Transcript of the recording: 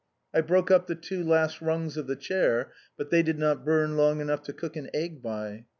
I broke up the two last rungs of the chair, but they did not burn long enough to cook an egg by.